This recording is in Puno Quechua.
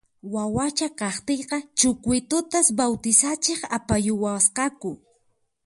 Wawacha kaqtiyqa Chucuitutas bawtisachiq apayuwasqaku